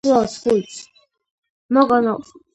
საეჭვო შემთხვევაში იკვლევენ სანაყოფე წყლების ფერმენტებს.